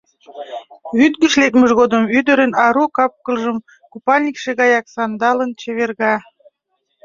Вӱд гыч лекмыж годым ӱдырын ару кап-кылже купальникше гаяк сандалын чеверга.